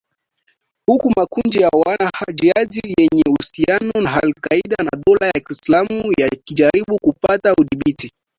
Huku makundi ya wanajihadi yenye uhusiano na al-Qaeda na Dola ya Kiislamu yakijaribu kupata udhibiti wa maeneo ambayo yaliwahi kuwa na amani